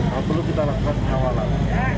kalau belum kita lakukan penyawalan